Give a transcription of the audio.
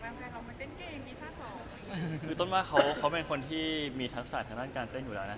คือต้นว่าเค้าเค้าเป็นคนที่มีทักษะทางด้านการเต้นอยู่แล้วนะ